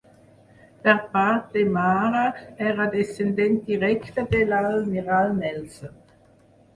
Per part de mare era descendent directe de l'almirall Nelson.